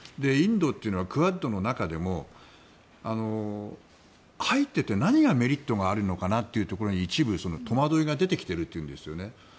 インドというのはクアッドの中でも入っていて何がメリットがあるのかなってところに一部戸惑いが出てきているというんですね。